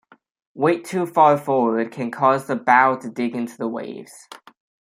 Weight too far forward can cause the bow to dig into the waves.